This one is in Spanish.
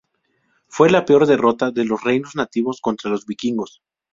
Fue la peor derrota de los reinos nativos contra los vikingos.